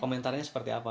komentarnya seperti apa